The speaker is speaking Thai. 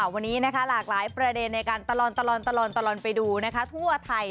วันนี้นะคะหลากหลายประเด็นในการตะลอนไปดูนะคะทั่วไทยเลย